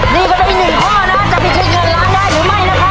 นี่ก็ได้อีกหนึ่งข้อนะจะพิชิตเงินล้านได้หรือไม่นะครับ